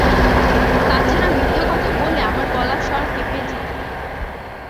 তা ছাড়া মিথ্যা কথা বললে আমার গলার স্বর কোপে যেত।